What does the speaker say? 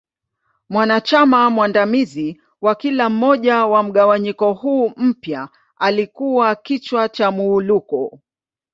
Mwanachama mwandamizi wa kila moja ya mgawanyiko huu mpya alikua kichwa cha Muwuluko.